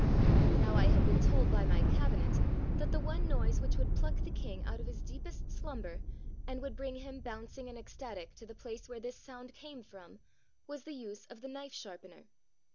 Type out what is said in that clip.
Now I had been told by my Cabinet that the one noise which would pluck the king out of his deepest slumber, and would bring him bouncing and ecstatic to the place where this sound came from, was the use of the knife sharpener.